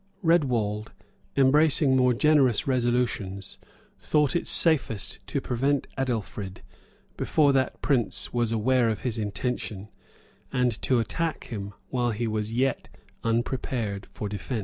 [] Redwald, embracing more generous resolutions, thought it safest to prevent Adelfrid, before that prince was aware of his intention, and to attack him while he was yet unprepared for defence.